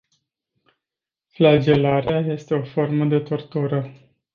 Flagelarea este o formă de tortură.